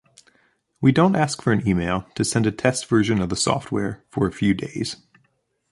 We don’t ask for an email to send a test version of the software for a few days.